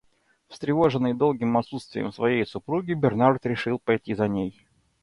Встревоженный долгим отсутствием своей супруги, Бернард решил пойти за ней.